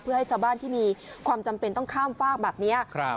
เพื่อให้ชาวบ้านที่มีความจำเป็นต้องข้ามฝากแบบนี้